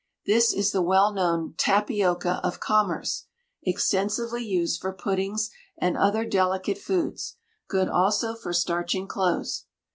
This is the well known tapioca of commerce, extensively used for puddings and other delicate foods; good also for starching clothes.